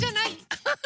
ハハハハ！